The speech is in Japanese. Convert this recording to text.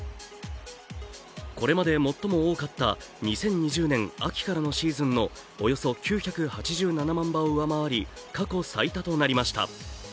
これまで最も多かった２０２０年秋からのシーズンのおよそ９８７万羽を上回り、過去最多となりました。